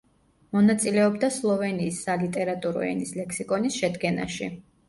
მონაწილეობდა „სლოვენიის სალიტერატურო ენის ლექსიკონის“ შედგენაში.